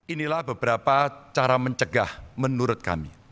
inilah beberapa cara mencegah menurut kami